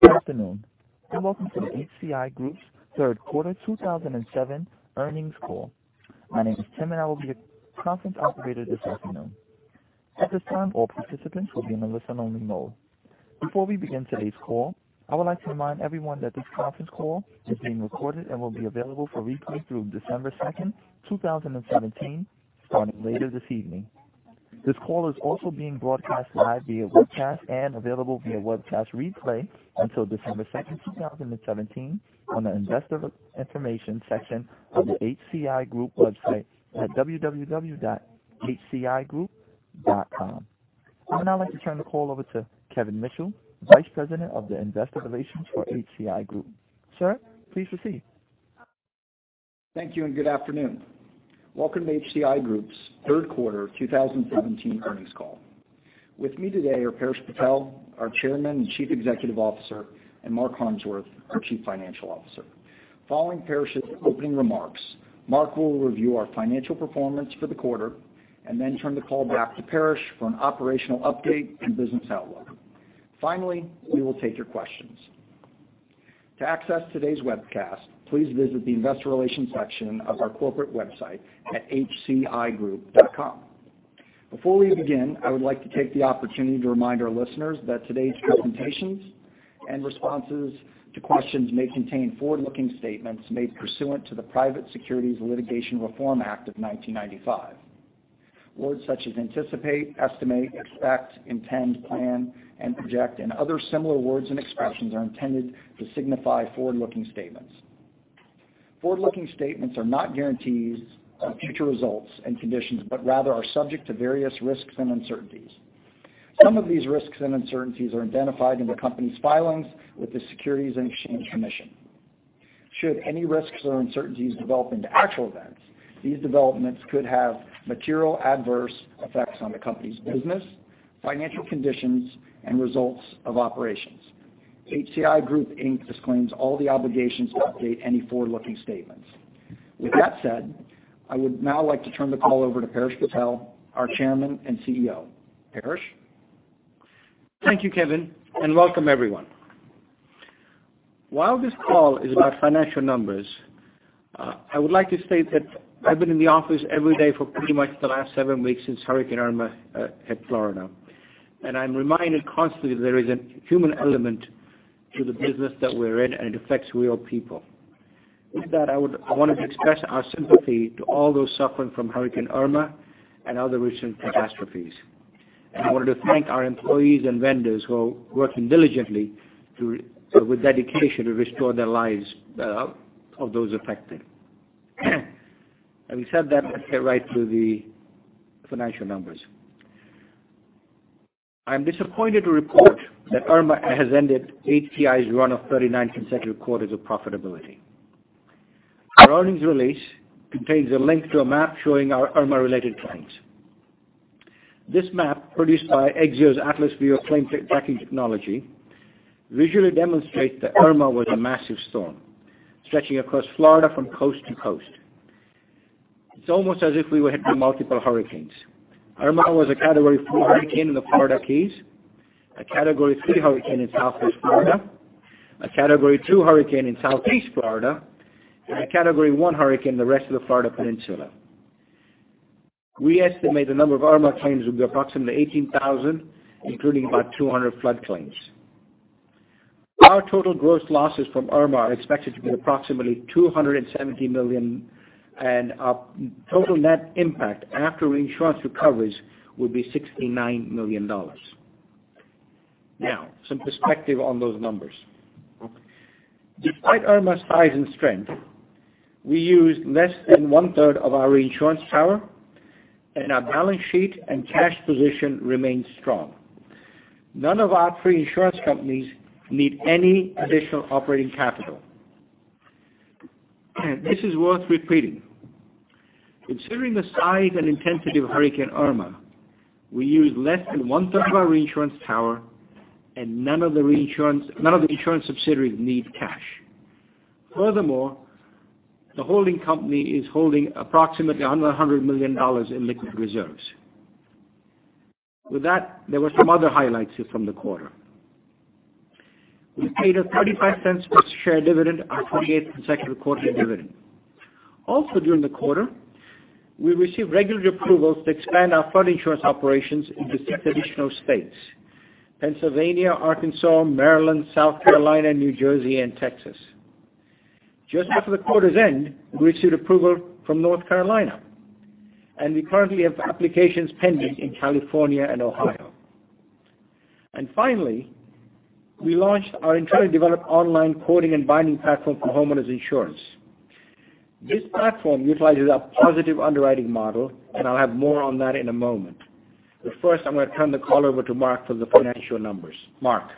Good afternoon, and welcome to the HCI Group's third quarter 2007 earnings call. My name is Tim, and I will be your conference operator this afternoon. At this time, all participants will be in a listen-only mode. Before we begin today's call, I would like to remind everyone that this conference call is being recorded and will be available for replay through December second, 2017, starting later this evening. This call is also being broadcast live via webcast and available via webcast replay until December second, 2017, on the Investor Information section of the HCI Group website at hcigroup.com. I would now like to turn the call over to Kevin Mitchell, Vice President of Investor Relations for HCI Group. Sir, please proceed. Thank you, and good afternoon. Welcome to HCI Group's third quarter 2017 earnings call. With me today are Paresh Patel, our Chairman and Chief Executive Officer, and Mark Harmsworth, our Chief Financial Officer. Following Paresh's opening remarks, Mark will review our financial performance for the quarter, then turn the call back to Paresh for an operational update and business outlook. Finally, we will take your questions. To access today's webcast, please visit the Investor Relations section of our corporate website at hcigroup.com. Before we begin, I would like to take the opportunity to remind our listeners that today's presentations and responses to questions may contain forward-looking statements made pursuant to the Private Securities Litigation Reform Act of 1995. Words such as anticipate, estimate, expect, intend, plan, and project, and other similar words and expressions are intended to signify forward-looking statements. Forward-looking statements are not guarantees of future results and conditions, rather are subject to various risks and uncertainties. Some of these risks and uncertainties are identified in the company's filings with the Securities and Exchange Commission. HCI Group Inc. disclaims all the obligations to update any forward-looking statements. With that said, I would now like to turn the call over to Paresh Patel, our Chairman and CEO. Paresh? Thank you, Kevin, welcome everyone. While this call is about financial numbers, I would like to state that I've been in the office every day for pretty much the last seven weeks since Hurricane Irma hit Florida. I'm reminded constantly that there is a human element to the business that we're in, and it affects real people. With that, I wanted to express our sympathy to all those suffering from Hurricane Irma and other recent catastrophes. I wanted to thank our employees and vendors who are working diligently with dedication to restore the lives of those affected. Having said that, let's get right to the financial numbers. I am disappointed to report that Irma has ended HCI's run of 39 consecutive quarters of profitability. Our earnings release contains a link to a map showing our Irma-related claims. This map, produced by Exzeo's Atlas Viewer claim tracking technology, visually demonstrates that Irma was a massive storm, stretching across Florida from coast to coast. It's almost as if we were hit by multiple hurricanes. Irma was a Category 4 hurricane in the Florida Keys, a Category 3 hurricane in Southwest Florida, a Category 2 hurricane in Southeast Florida, and a Category 1 hurricane in the rest of the Florida peninsula. We estimate the number of Irma claims will be approximately 18,000, including about 200 flood claims. Our total gross losses from Irma are expected to be approximately $270 million, and our total net impact after reinsurance recoveries will be $69 million. Some perspective on those numbers. Despite Irma's size and strength, we used less than one-third of our reinsurance tower, and our balance sheet and cash position remains strong. None of our three insurance companies need any additional operating capital. This is worth repeating. Considering the size and intensity of Hurricane Irma, we used less than one-third of our reinsurance tower, and none of the insurance subsidiaries need cash. Furthermore, the holding company is holding approximately $100 million in liquid reserves. There were some other highlights here from the quarter. We paid a $0.35 per share dividend, our 48th consecutive quarterly dividend. Also during the quarter, we received regulatory approvals to expand our flood insurance operations into six additional states, Pennsylvania, Arkansas, Maryland, South Carolina, New Jersey, and Texas. Just after the quarter's end, we received approval from North Carolina, and we currently have applications pending in California and Ohio. Finally, we launched our internally developed online quoting and binding platform for homeowners insurance. This platform utilizes a positive underwriting model, and I'll have more on that in a moment. First, I'm going to turn the call over to Mark for the financial numbers. Mark?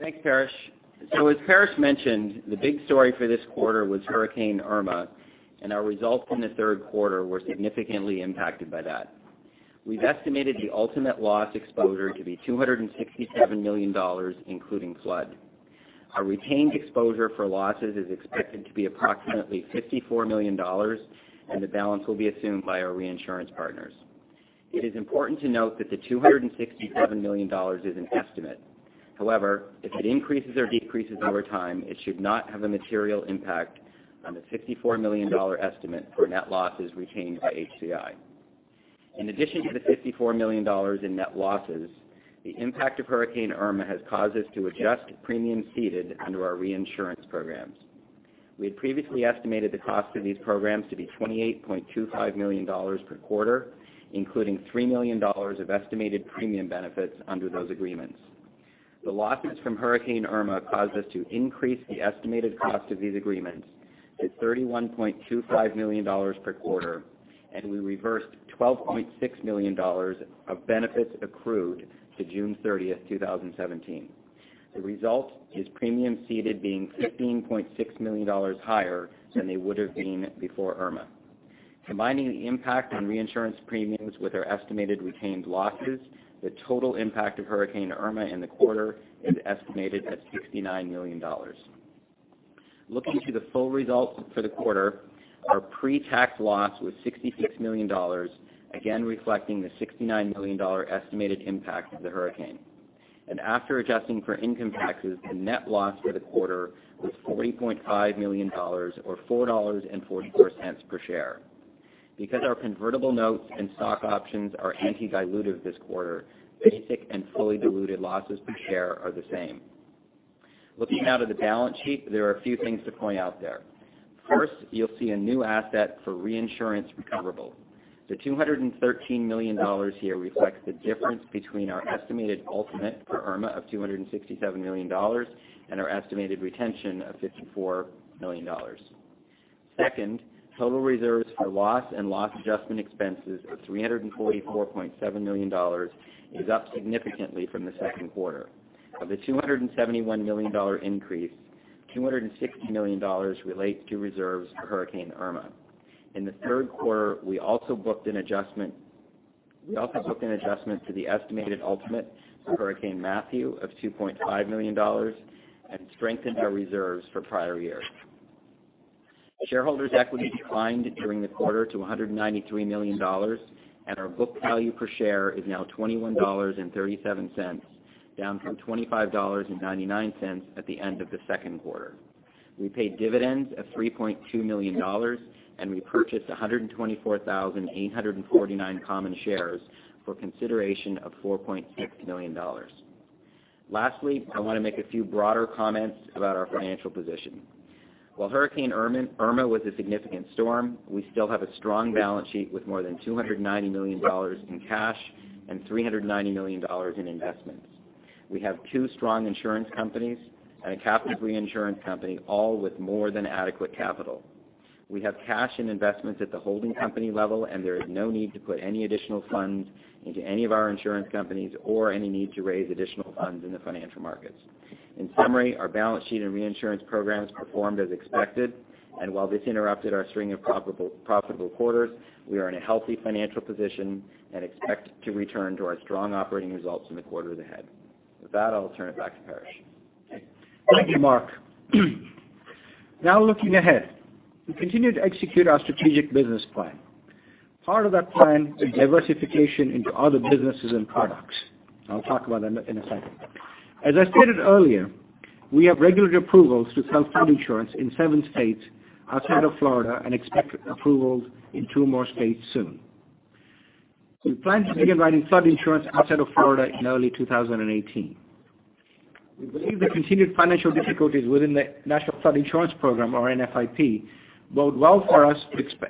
Thanks, Paresh. As Paresh mentioned, the big story for this quarter was Hurricane Irma, and our results from the third quarter were significantly impacted by that. We've estimated the ultimate loss exposure to be $267 million, including flood. Our retained exposure for losses is expected to be approximately $54 million, and the balance will be assumed by our reinsurance partners It is important to note that the $267 million is an estimate. If it increases or decreases over time, it should not have a material impact on the $54 million estimate for net losses retained by HCI. In addition to the $54 million in net losses, the impact of Hurricane Irma has caused us to adjust premiums ceded under our reinsurance programs. We had previously estimated the cost of these programs to be $28.25 million per quarter, including $3 million of estimated premium benefits under those agreements. The losses from Hurricane Irma caused us to increase the estimated cost of these agreements to $31.25 million per quarter. We reversed $12.6 million of benefits accrued to June 30, 2017. The result is premiums ceded being $15.6 million higher than they would have been before Irma. Combining the impact on reinsurance premiums with our estimated retained losses, the total impact of Hurricane Irma in the quarter is estimated at $69 million. Looking to the full results for the quarter, our pre-tax loss was $66 million, again reflecting the $69 million estimated impact of the hurricane. After adjusting for income taxes, the net loss for the quarter was $40.5 million or $4.04 per share. Because our convertible notes and stock options are anti-dilutive this quarter, basic and fully diluted losses per share are the same. Looking now to the balance sheet, there are a few things to point out there. First, you'll see a new asset for reinsurance recoverable. The $213 million here reflects the difference between our estimated ultimate for Irma of $267 million and our estimated retention of $54 million. Second, total reserves for loss and loss adjustment expenses of $344.7 million is up significantly from the second quarter. Of the $271 million increase, $260 million relates to reserves for Hurricane Irma. In the third quarter, we also booked an adjustment to the estimated ultimate for Hurricane Matthew of $2.5 million and strengthened our reserves for prior years. Shareholders' equity declined during the quarter to $193 million, and our book value per share is now $21.37, down from $25.99 at the end of the second quarter. We paid dividends of $3.2 million and repurchased 124,849 common shares for consideration of $4.6 million. Lastly, I want to make a few broader comments about our financial position. While Hurricane Irma was a significant storm, we still have a strong balance sheet with more than $290 million in cash and $390 million in investments. We have two strong insurance companies and a capital reinsurance company, all with more than adequate capital. We have cash and investments at the holding company level. There is no need to put any additional funds into any of our insurance companies or any need to raise additional funds in the financial markets. In summary, our balance sheet and reinsurance programs performed as expected. While this interrupted our string of profitable quarters, we are in a healthy financial position and expect to return to our strong operating results in the quarter ahead. With that, I'll turn it back to Paresh. Thank you, Mark. Now looking ahead, we continue to execute our strategic business plan. Part of that plan is diversification into other businesses and products. I'll talk about them in a second. As I stated earlier, we have regulatory approvals to sell flood insurance in 7 states outside of Florida and expect approvals in 2 more states soon. We plan to begin writing flood insurance outside of Florida in early 2018. We believe the continued financial difficulties within the National Flood Insurance Program, or NFIP, bode well for us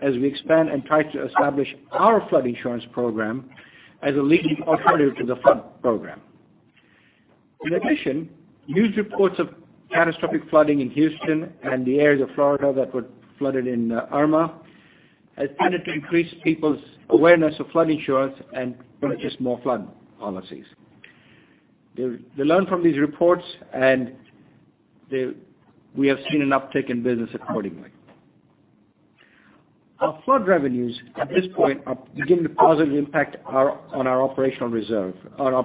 as we expand and try to establish our flood insurance program as a leading alternative to the flood program. In addition, news reports of catastrophic flooding in Houston and the areas of Florida that were flooded in Irma has tended to increase people's awareness of flood insurance and purchase more flood policies. They learn from these reports, and we have seen an uptick in business accordingly. Our flood revenues at this point are beginning to positively impact on our operational results. Our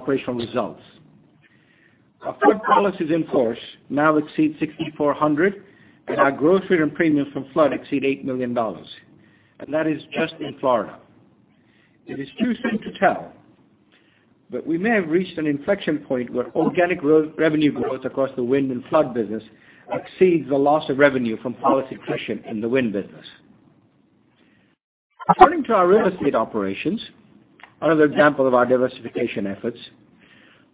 flood policies in force now exceed 6,400, and our gross written premiums from flood exceed $8 million. That is just in Florida. It is too soon to tell, but we may have reached an inflection point where organic revenue growth across the wind and flood business exceeds the loss of revenue from policy attrition in the wind business. Turning to our real estate operations, another example of our diversification efforts,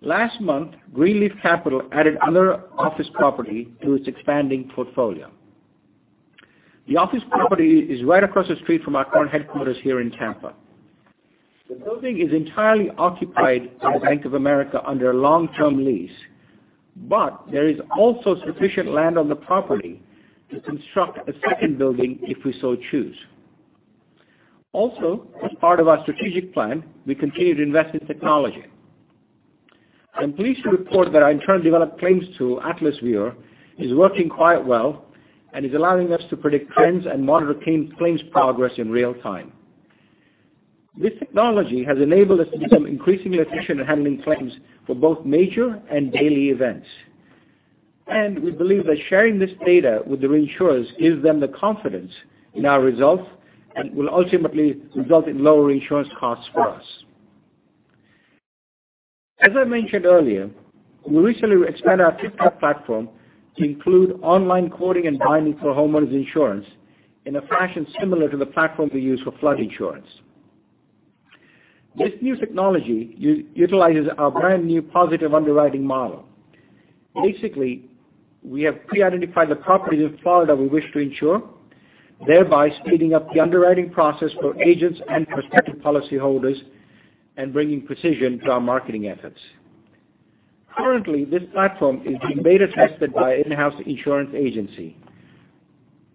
last month, Greenleaf Capital added another office property to its expanding portfolio. The office property is right across the street from our current headquarters here in Tampa. The building is entirely occupied by the Bank of America under a long-term lease, but there is also sufficient land on the property to construct a second building if we so choose. Also, as part of our strategic plan, we continue to invest in technology. I'm pleased to report that our internal developed claims tool, Atlas Viewer, is working quite well and is allowing us to predict trends and monitor claims progress in real time. This technology has enabled us to become increasingly efficient at handling claims for both major and daily events. We believe that sharing this data with the reinsurers gives them the confidence in our results and will ultimately result in lower reinsurance costs for us. As I mentioned earlier, we recently expanded our TypTap platform to include online quoting and binding for homeowners insurance in a fashion similar to the platform we use for flood insurance. This new technology utilizes our brand new positive underwriting model. Basically, we have pre-identified the properties in Florida we wish to insure, thereby speeding up the underwriting process for agents and prospective policyholders and bringing precision to our marketing efforts. Currently, this platform is being beta tested by in-house insurance agency.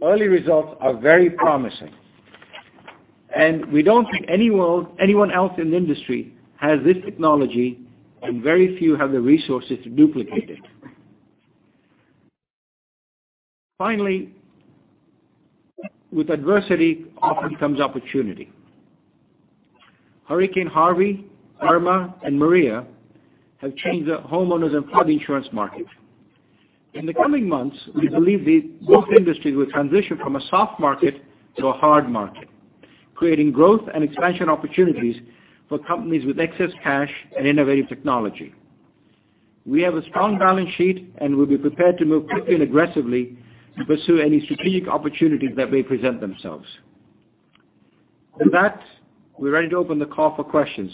Early results are very promising, and we don't think anyone else in the industry has this technology and very few have the resources to duplicate it. Finally, with adversity often comes opportunity. Hurricane Harvey, Irma, and Maria have changed the homeowners and flood insurance market. In the coming months, we believe these both industries will transition from a soft market to a hard market, creating growth and expansion opportunities for companies with excess cash and innovative technology. We have a strong balance sheet, and we'll be prepared to move quickly and aggressively to pursue any strategic opportunities that may present themselves. With that, we're ready to open the call for questions.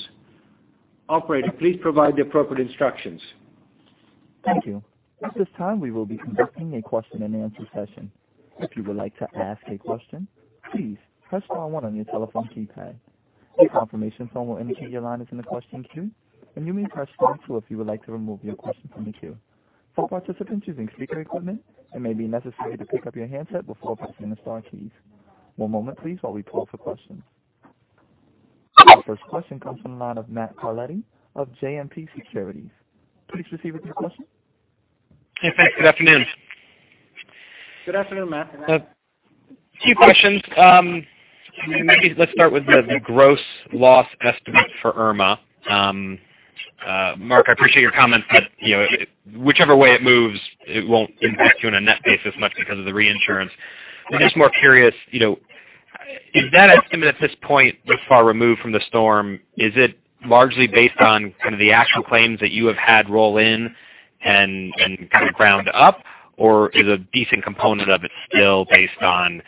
Operator, please provide the appropriate instructions. Thank you. At this time, we will be conducting a question and answer session. If you would like to ask a question, please press star one on your telephone keypad. A confirmation tone will indicate your line is in the question queue, and you may press star two if you would like to remove your question from the queue. For participants using speaker equipment, it may be necessary to pick up your handset before pressing the star keys. One moment, please, while we pull for questions. The first question comes from the line of Matthew Carletti of JMP Securities. Please proceed with your question. Hey, thanks. Good afternoon. Good afternoon, Matt. Two questions. Maybe let's start with the gross loss estimate for Irma. Mark, I appreciate your comments that whichever way it moves, it won't impact you on a net basis much because of the reinsurance. I'm just more curious, is that estimate at this point this far removed from the storm, is it largely based on kind of the actual claims that you have had roll in and kind of ground up, or is a decent component of it still based on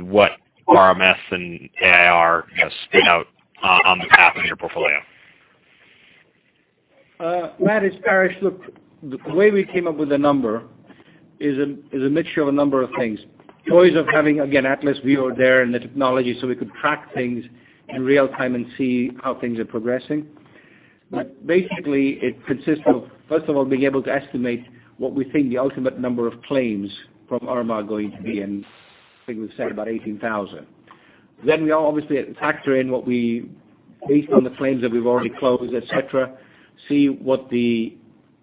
what RMS and AIR spit out on behalf of your portfolio? Matt, it's Paresh. Look, the way we came up with the number is a mixture of a number of things. Joys of having, again, Atlas Viewer there and the technology, we could track things in real time and see how things are progressing. Basically, it consists of, first of all, being able to estimate what we think the ultimate number of claims from Irma are going to be, and I think we've said about 18,000. We obviously factor in based on the claims that we've already closed, et cetera, see what the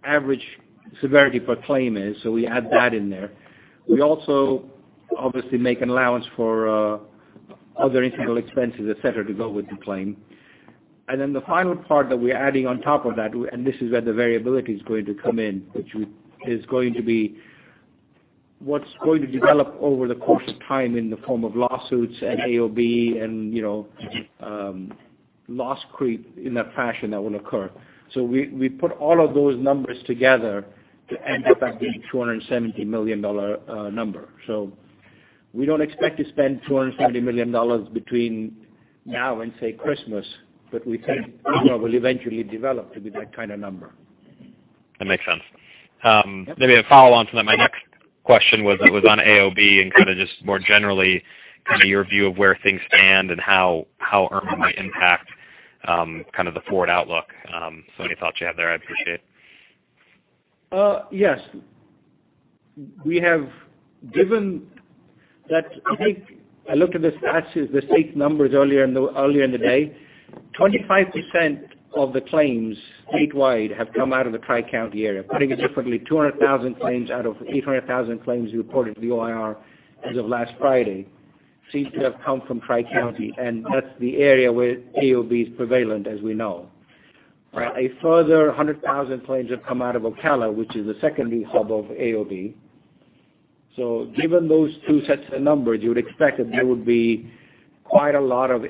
average severity per claim is. We add that in there. We also obviously make an allowance for other integral expenses, et cetera, to go with the claim. The final part that we're adding on top of that, this is where the variability is going to come in, which is going to be what's going to develop over the course of time in the form of lawsuits and AOB and loss creep in that fashion that will occur. We put all of those numbers together to end up at the $270 million number. We don't expect to spend $270 million between now and, say, Christmas, we think Irma will eventually develop to be that kind of number. That makes sense. Maybe a follow-on to that. My next question was on AOB and kind of just more generally, kind of your view of where things stand and how Irma might impact kind of the forward outlook. Any thoughts you have there, I'd appreciate it. Yes. I looked at the stats, the state numbers earlier in the day. 25% of the claims statewide have come out of the Tri-County area. Putting it differently, 200,000 claims out of 800,000 claims reported to the OIR as of last Friday seems to have come from Tri-County, and that's the area where AOB is prevalent, as we know. A further 100,000 claims have come out of Ocala, which is the secondary hub of AOB. Given those two sets of numbers, you would expect that there would be quite a lot of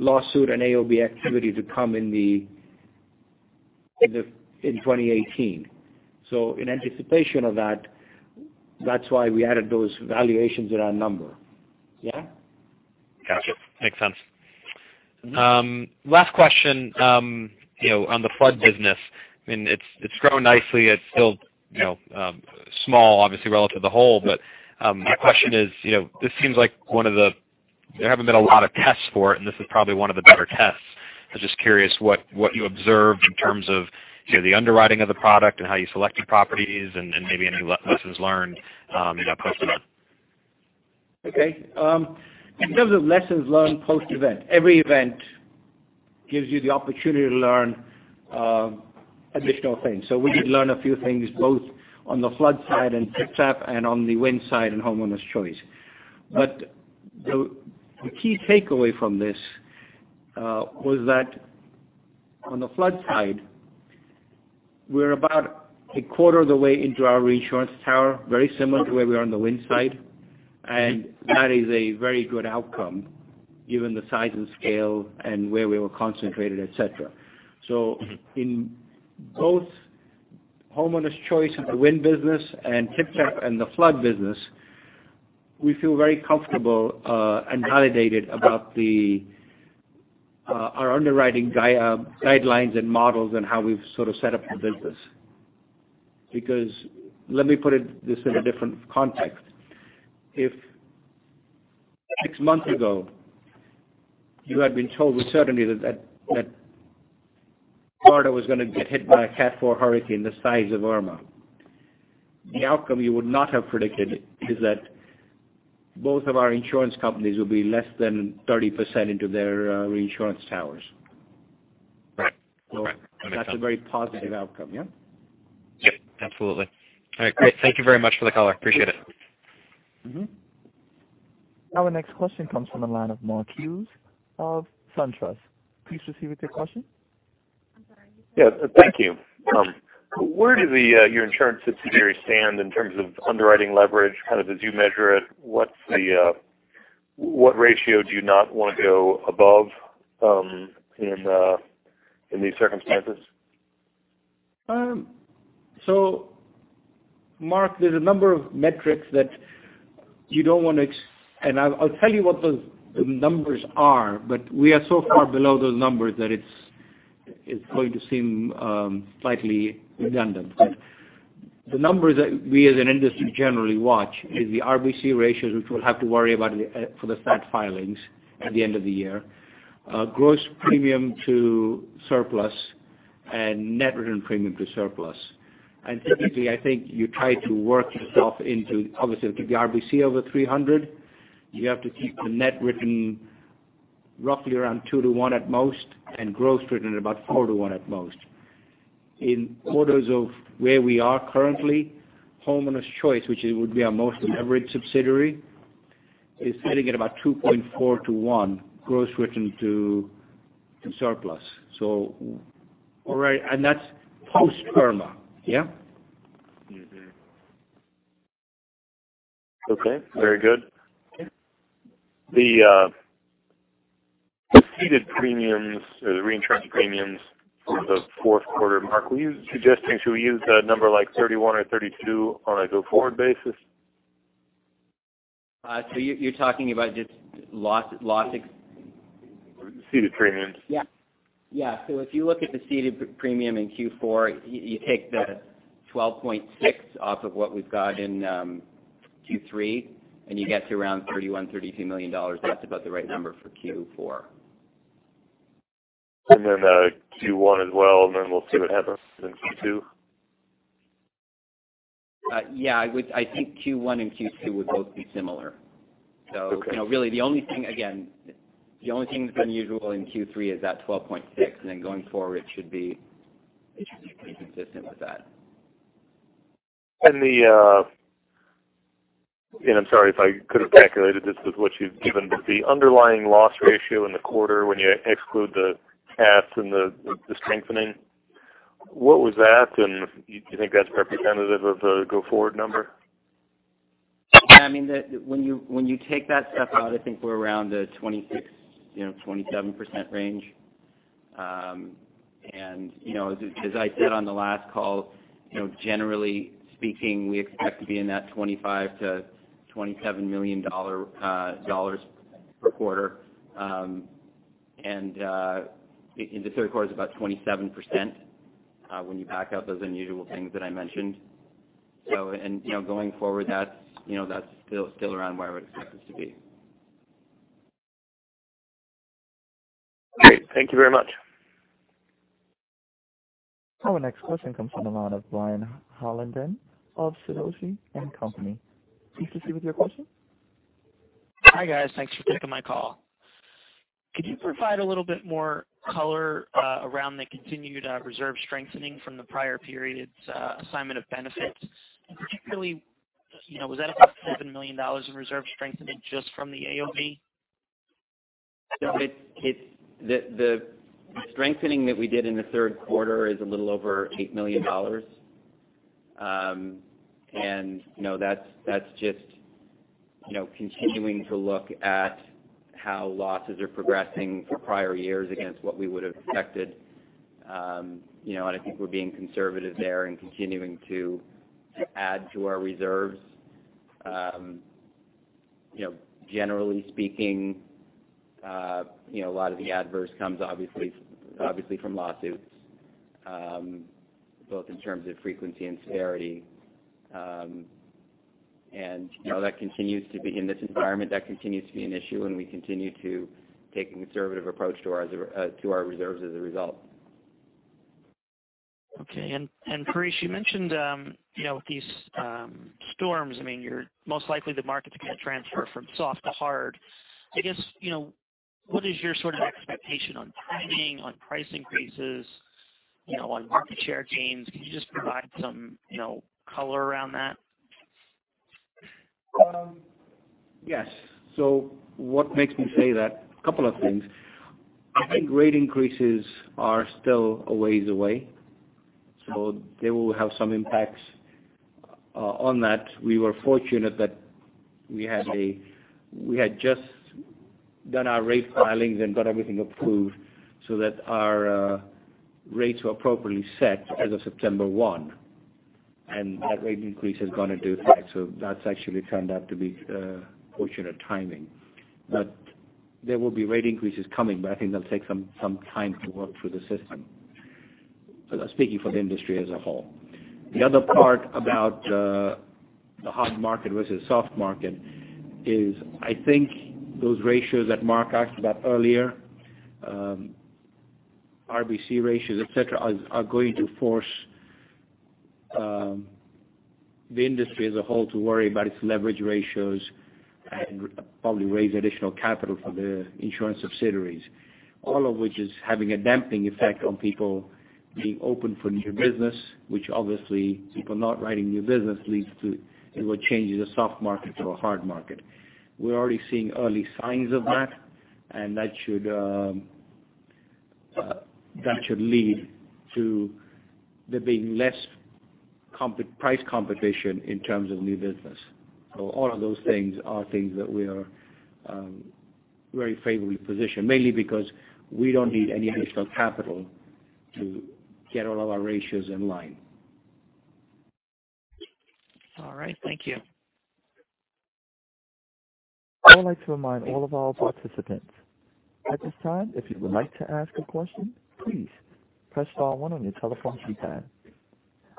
lawsuit and AOB activity to come in 2018. In anticipation of that's why we added those valuations in our number. Yeah? Got you. Makes sense. Last question, on the flood business, it's grown nicely. It's still small, obviously, relative to the whole. My question is, there haven't been a lot of tests for it, and this is probably one of the better tests. I was just curious what you observed in terms of the underwriting of the product and how you selected properties and maybe any lessons learned post-event. Okay. In terms of lessons learned post-event, every event gives you the opportunity to learn additional things. We did learn a few things both on the flood side and TypTap and on the wind side and Homeowners Choice. The key takeaway from this was that on the flood side, we're about a quarter of the way into our reinsurance tower, very similar to where we are on the wind side. That is a very good outcome given the size and scale and where we were concentrated, et cetera. In both Homeowners Choice in the wind business and TypTap in the flood business, we feel very comfortable and validated about our underwriting guidelines and models and how we've set up the business. Let me put this in a different context. If six months ago you had been told with certainty that Florida was going to get hit by a Category 4 hurricane the size of Irma, the outcome you would not have predicted is that both of our insurance companies would be less than 30% into their reinsurance towers. Right. That's a very positive outcome, yeah? Yeah, absolutely. All right, great. Thank you very much for the color. Appreciate it. Our next question comes from the line of Mark Hughes of SunTrust. Please proceed with your question. Yeah, thank you. Where do your insurance subsidiaries stand in terms of underwriting leverage, as you measure it? What ratio do you not want to go above in these circumstances? Mark, there's a number of metrics that I'll tell you what those numbers are, but we are so far below those numbers that it's going to seem slightly redundant. The numbers that we as an industry generally watch is the RBC ratios, which we'll have to worry about for the stat filings at the end of the year. Gross premium to surplus and net written premium to surplus. Typically, I think you try to work yourself into, obviously, the RBC over 300. You have to keep the net written roughly around two to one at most, and gross written at about four to one at most. In orders of where we are currently, Homeowners Choice, which would be our most leveraged subsidiary, is sitting at about 2.4 to one gross written to surplus. That's post-Irma. Yeah? Okay. Very good. The ceded premiums or the reinsurance premiums for the fourth quarter, Mark, were you suggesting should we use a number like 31 or 32 on a go-forward basis? You're talking about just loss- Ceded premiums. Yeah. If you look at the ceded premium in Q4, you take the $12.6 off of what we've got in Q3, and you get to around $31, $32 million. That's about the right number for Q4. Q1 as well, we'll see what happens in Q2? Yeah. I think Q1 and Q2 would both be similar. Okay. Again, the only thing that's unusual in Q3 is that 12.6, going forward should be pretty consistent with that. I'm sorry if I could have calculated this with what you've given, but the underlying loss ratio in the quarter when you exclude the CATs and the strengthening, what was that? Do you think that's representative of the go-forward number? When you take that stuff out, I think we're around the 26%, 27% range. As I said on the last call, generally speaking, we expect to be in that $25 million-$27 million per quarter. The third quarter is about 27% when you back out those unusual things that I mentioned. Going forward, that's still around where I would expect us to be. Great. Thank you very much. Our next question comes from the line of Brian Hollenden of Sidoti & Company. Please proceed with your question. Hi, guys. Thanks for taking my call. Could you provide a little bit more color around the continued reserve strengthening from the prior period's Assignment of Benefits? Particularly, was that about $7 million in reserve strengthening just from the AOB? The strengthening that we did in the third quarter is a little over $8 million. That's just continuing to look at how losses are progressing for prior years against what we would have expected. I think we're being conservative there and continuing to add to our reserves. Generally speaking, a lot of the adverse comes obviously from lawsuits, both in terms of frequency and severity. In this environment, that continues to be an issue, and we continue to take a conservative approach to our reserves as a result. Okay. Paresh, you mentioned with these storms, most likely the market's going to transfer from soft to hard. I guess, what is your sort of expectation on timing, on price increases, on market share gains? Can you just provide some color around that? Yes. What makes me say that? A couple of things. I think rate increases are still a ways away, so they will have some impacts on that. We were fortunate that we had just done our rate filings and got everything approved so that our rates were appropriately set as of September 1. That rate increase is going to do that. That's actually turned out to be fortunate timing. There will be rate increases coming, but I think they'll take some time to work through the system. That's speaking for the industry as a whole. The other part about the hard market versus soft market is, I think those ratios that Mark asked about earlier, RBC ratios, et cetera, are going to force the industry as a whole to worry about its leverage ratios and probably raise additional capital for the insurance subsidiaries. All of which is having a damping effect on people being open for new business, which obviously, people not writing new business leads to is what changes a soft market to a hard market. We're already seeing early signs of that, and that should lead to there being less price competition in terms of new business. All of those things are things that we are very favorably positioned, mainly because we don't need any additional capital to get all of our ratios in line. All right. Thank you. I would like to remind all of our participants, at this time, if you would like to ask a question, please press star one on your telephone keypad.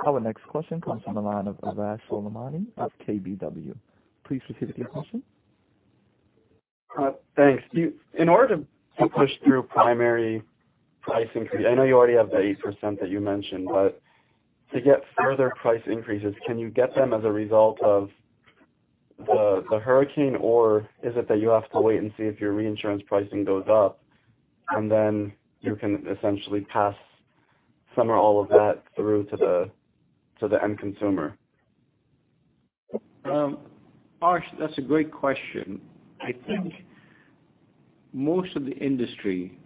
Our next question comes from the line of Arash Soleimani of KBW. Please proceed with your question. Thanks. In order to push through primary price increase, I know you already have the 8% that you mentioned, to get further price increases, can you get them as a result of the hurricane, or is it that you have to wait and see if your reinsurance pricing goes up, and then you can essentially pass some or all of that through to the end consumer? Arash, that's a great question. I think most of the industry,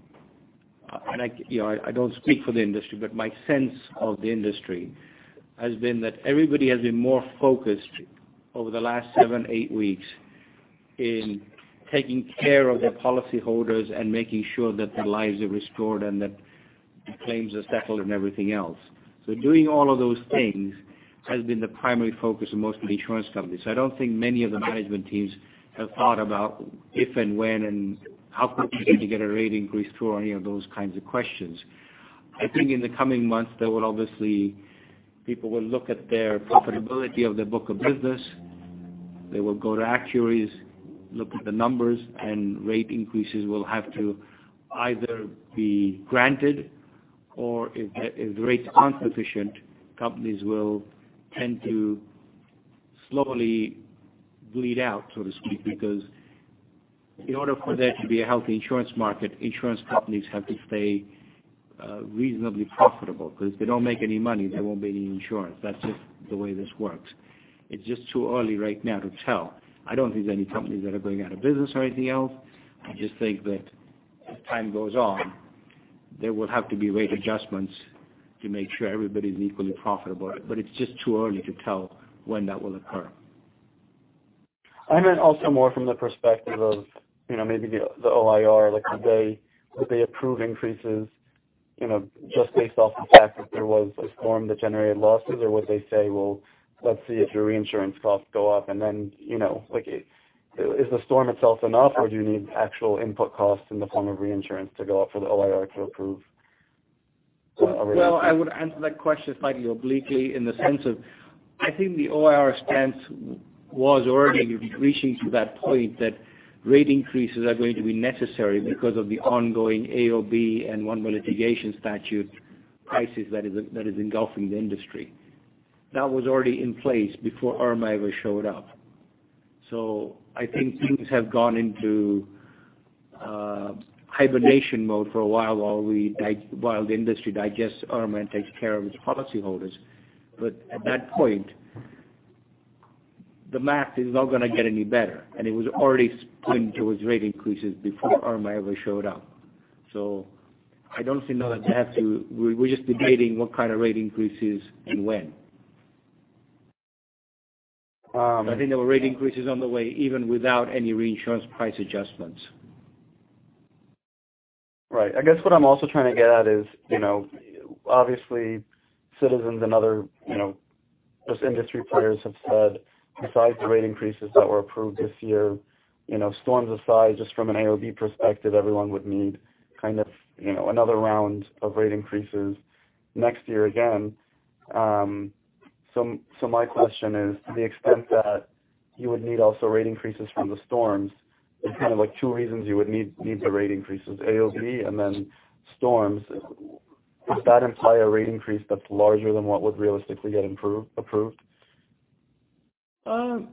and I don't speak for the industry, but my sense of the industry has been that everybody has been more focused over the last seven, eight weeks in taking care of their policyholders and making sure that their lives are restored and that claims are settled and everything else. Doing all of those things has been the primary focus of most of the insurance companies. I don't think many of the management teams have thought about if and when and how quickly they get a rate increase through or any of those kinds of questions. I think in the coming months, people will look at their profitability of their book of business. They will go to actuaries, look at the numbers, rate increases will have to either be granted, or if the rates aren't sufficient, companies will tend to slowly bleed out, so to speak. In order for there to be a healthy insurance market, insurance companies have to stay reasonably profitable, because if they don't make any money, there won't be any insurance. That's just the way this works. It's just too early right now to tell. I don't think there's any companies that are going out of business or anything else. I just think that as time goes on, there will have to be rate adjustments to make sure everybody's equally profitable. It's just too early to tell when that will occur. I meant also more from the perspective of maybe the OIR, like would they approve increases, just based off the fact that there was a storm that generated losses? Would they say, "Well, let's see if your reinsurance costs go up," is the storm itself enough, or do you need actual input costs in the form of reinsurance to go up for the OIR to approve a rate increase? Well, I would answer that question slightly obliquely in the sense of, I think the OIR stance was already reaching to that point, that rate increases are going to be necessary because of the ongoing AOB and one litigation statute crisis that is engulfing the industry. That was already in place before Irma ever showed up. I think things have gone into hibernation mode for a while the industry digests Irma and takes care of its policyholders. At that point, the math is not going to get any better, and it was already pointing towards rate increases before Irma ever showed up. I don't see another gap. We're just debating what kind of rate increases and when. Wow. I think there were rate increases on the way, even without any reinsurance price adjustments. Right. I guess what I'm also trying to get at is, obviously, Citizens and other industry players have said, besides the rate increases that were approved this year, storms aside, just from an AOB perspective, everyone would need kind of another round of rate increases next year again. My question is, to the extent that you would need also rate increases from the storms, there's kind of two reasons you would need the rate increases, AOB and then storms. Does that imply a rate increase that's larger than what would realistically get approved? I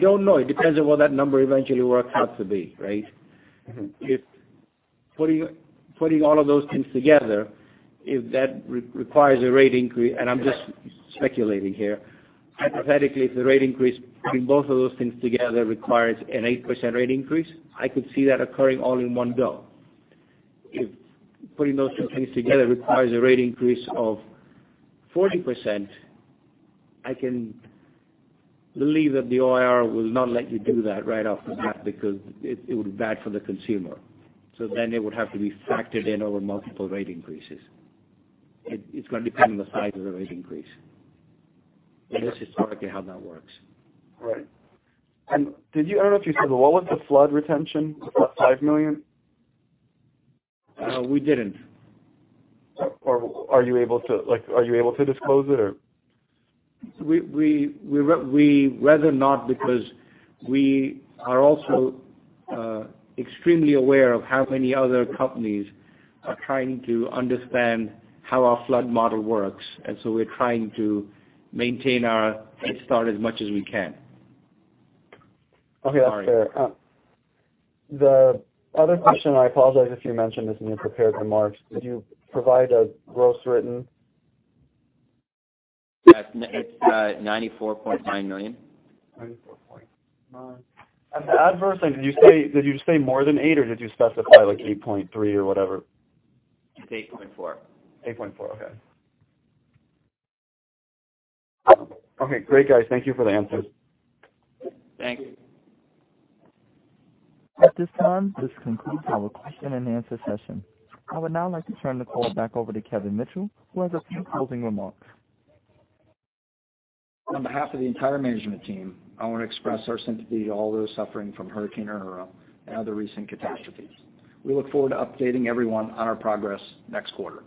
don't know. It depends on what that number eventually works out to be, right? Putting all of those things together, if that requires a rate increase, and I'm just speculating here. Hypothetically, if the rate increase, putting both of those things together requires an 8% rate increase, I could see that occurring all in one go. If putting those two things together requires a rate increase of 40%, I can believe that the OIR will not let you do that right off the bat because it would be bad for the consumer. It would have to be factored in over multiple rate increases. It's going to depend on the size of the rate increase. That's historically how that works. Right. I don't know if you said, but what was the flood retention? Was it $5 million? We didn't. Are you able to disclose it, or? We'd rather not because we are also extremely aware of how many other companies are trying to understand how our flood model works, and so we're trying to maintain our head start as much as we can. Okay, that's fair. The other question, I apologize if you mentioned this in your prepared remarks. Did you provide a gross written? Yes, it's $94.9 million. $94.9. The adverse, did you say more than eight or did you specify like 8.3 or whatever? It's 8.4. 8.4. Okay. Okay, great, guys. Thank you for the answers. Thanks. At this time, this concludes our question and answer session. I would now like to turn the call back over to Kevin Mitchell, who has a few closing remarks. On behalf of the entire management team, I want to express our sympathy to all those suffering from Hurricane Irma and other recent catastrophes. We look forward to updating everyone on our progress next quarter.